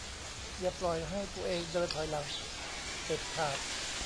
อย่าปล่อยให้ตัวเองเดินถอยหลังเด็ดขาด